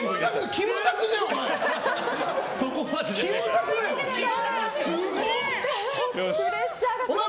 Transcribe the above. キムタクじゃん、お前！